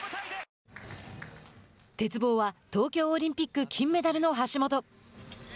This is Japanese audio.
鉄棒は東京オリンピック金メダルの橋本。